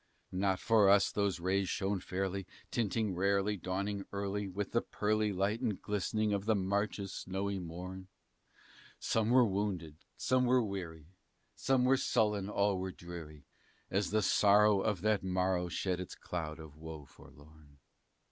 Not for us those rays shone fairly, tinting rarely dawning early With the pearly light and glistering of the March's snowy morn; Some were wounded, some were weary, some were sullen, all were dreary, As the sorrow of that morrow shed its cloud of woe forlorn.